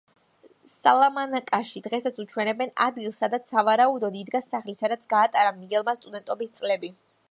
სალამანკაში დღესაც უჩვენებენ ადგილს, სადაც სავარაუდოდ იდგა სახლი, სადაც გაატარა მიგელმა სტუდენტობის წლები.